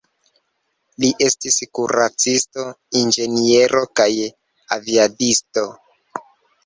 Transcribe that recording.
Li estis kuracisto, inĝeniero kaj aviadisto.